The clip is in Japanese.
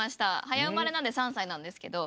はやうまれなんで３さいなんですけど。